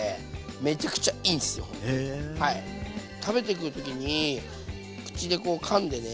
食べてく時に口でこうかんでね